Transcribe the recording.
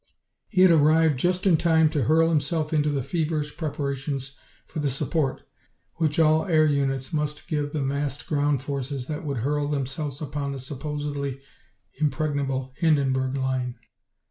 He had arrived just in time to hurl himself into the feverish preparations for the support which all air units must give the massed ground forces that would hurl themselves upon the supposedly impregnable Hindenburg Line.